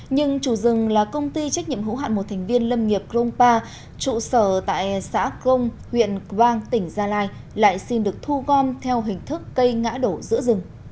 nhưng chủ rừng là công ty trách nhiệm hữu hạn một thành viên lâm nghiệp grongpa trụ sở tại xã crong huyện quang tỉnh gia lai lại xin được thu gom theo hình thức cây ngã đổ giữa rừng